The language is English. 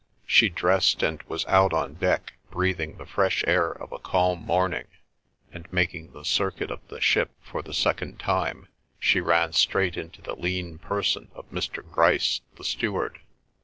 She dressed, and was out on deck, breathing the fresh air of a calm morning, and, making the circuit of the ship for the second time, she ran straight into the lean person of Mr. Grice, the steward.